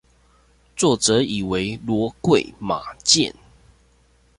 作者以為騾貴馬賤